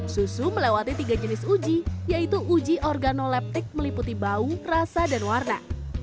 susu melewati tiga jenis uji yaitu uji organoleptik meliputi bau rasa dan warna